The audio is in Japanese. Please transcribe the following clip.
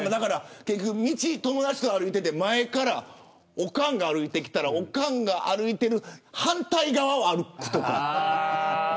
道、友達と歩いてて前からおかんが歩いてきたらおかんが歩いている反対側を歩くとか。